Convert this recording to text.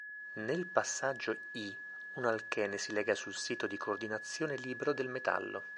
Nel passaggio "i" un alchene si lega sul sito di coordinazione libero del metallo.